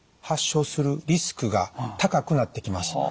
発症するリスクが高くなってきます。